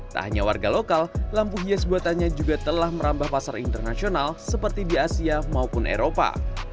tak hanya warga lokal lampu hias buatannya juga telah merambah pasar internasional seperti di asia maupun eropa